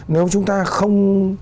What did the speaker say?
nếu chúng ta không